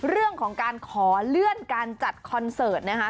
เรื่องของการขอเลื่อนการจัดคอนเสิร์ตนะคะ